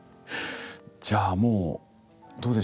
じゃあもうどうでしょう。